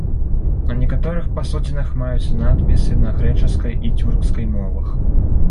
На некаторых пасудзінах маюцца надпісы на грэчаскай і цюркскай мовах.